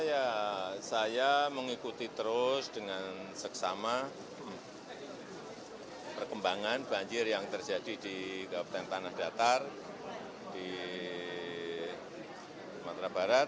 ya saya mengikuti terus dengan seksama perkembangan banjir yang terjadi di kabupaten tanah datar di sumatera barat